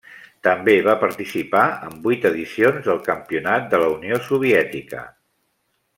També va participar en vuit edicions del Campionat de la Unió Soviètica.